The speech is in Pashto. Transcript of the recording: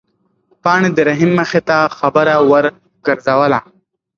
پاڼې د رحیم مخې ته خبره ورګرځوله.